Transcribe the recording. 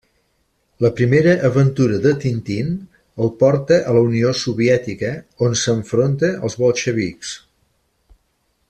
La primera aventura de Tintín el porta a la Unió Soviètica, on s'enfronta als bolxevics.